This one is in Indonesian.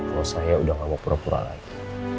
kalau saya udah gak mau pura pura lagi